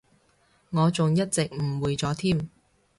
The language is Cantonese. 我仲一直誤會咗添